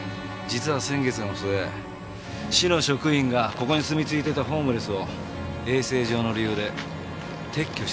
実は先月の末市の職員がここに住みついてたホームレスを衛生上の理由で撤去してたっていうんだよ。